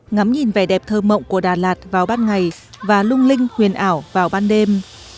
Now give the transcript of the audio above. ngắm nhìn vẻ đẹp thơ mộng của đà lạt vào ban ngày và lung linh huyền ảo vào ban đêm